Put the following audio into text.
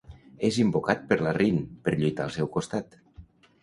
És invocat per la Rin per lluitar al seu costat.